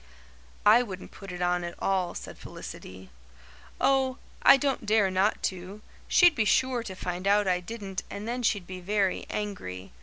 "I wouldn't put it on at all," said Felicity. "Oh, I don't dare not to. She'd be sure to find out I didn't and then she'd be very angry.